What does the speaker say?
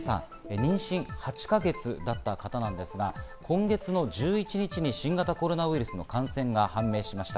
妊娠８か月だった方なんですが、今月の１１日に新型コロナウイルスの感染が判明しました。